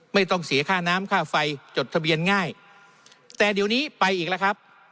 ไม่ต้องเสียค่าน้ำค่าไฟจดทะเบียนง่ายแต่เดี๋ยวนี้ไปอีกแล้วครับ